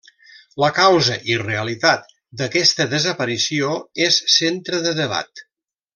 La causa –i realitat– d'aquesta desaparició és centre de debat.